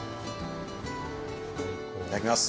いただきます。